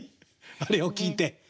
あれを聴いて。